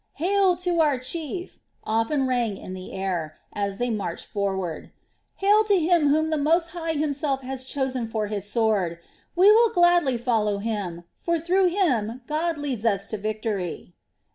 "Hail to our chief!" often rang on the air, as they marched forward: "Hail to him whom the Most High Himself has chosen for His sword! We will gladly follow him; for through him God leads us to victory."